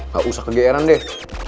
gak usah ke gr an deh